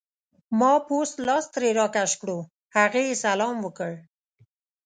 ما پوست لاس ترې راکش کړو، هغه یې سلام وکړ.